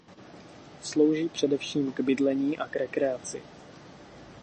Slouží především k bydlení a k rekreaci.